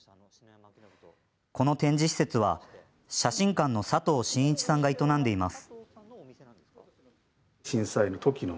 この展示施設は、写真館の佐藤信一さんが営んでいます。